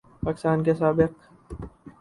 پاکستان کے سابق